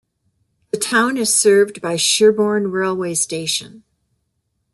The town is served by Sherborne railway station.